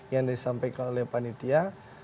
yang disampaikan oleh panitia